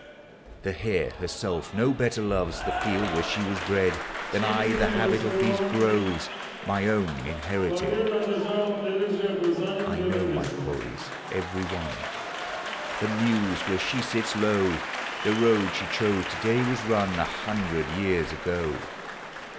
The hare herself no better loves The field where she was bred. Than I the habit of these groves, Mv own inherited. I know my quarries every one, The meuse where she sits low; The road she chose to dav was run ft/ A hundred years ago.